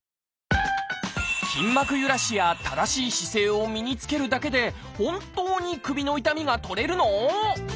筋膜ゆらしや正しい姿勢を身につけるだけで本当に首の痛みが取れるの？